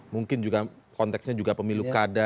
mungkin juga konteksnya juga pemilu kada